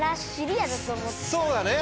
そうだね。